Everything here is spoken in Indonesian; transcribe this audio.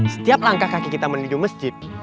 setiap langkah kaki kita menuju masjid